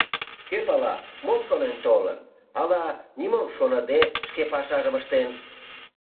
Кӧ пала, мом шонен толын, ала нимом шоныде шке пашажым ыштен.